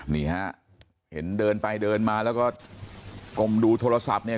นี่ฮะเห็นเดินไปเดินมาแล้วก็กลมดูโทรศัพท์เนี่ย